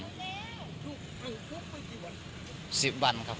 ถูกเอาพวกไปกี่วันครับ